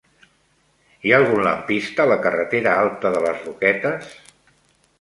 Hi ha algun lampista a la carretera Alta de les Roquetes?